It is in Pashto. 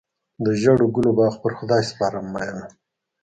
د ژړو ګلو باغ پر خدای سپارم مینه.